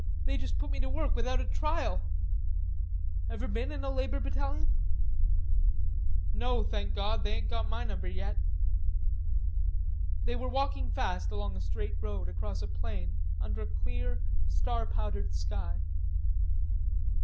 They just put me to work without a trial. Ever been in a labor battalion?" "No, thank Gawd, they ain't got my number yet." They were walking fast along a straight road across a plain under a clear star powdered sky.